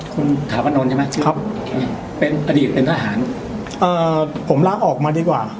คุณถาวประโนนใช่ไหมครับครับเป็นอดีตเป็นทหารอ่าผมลากออกมาดีกว่า